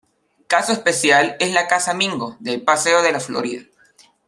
Caso especial es la Casa Mingo del Paseo de la Florida.